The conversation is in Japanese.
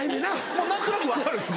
もう何となく分かるんです。